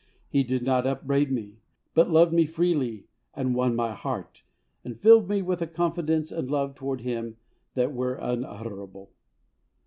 He did not upbraid me, but loved me freely, and won my heart, and filled me with a confidence and love toward Him that were unutterable.